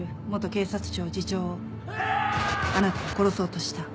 警察庁次長をあなたは殺そうとした。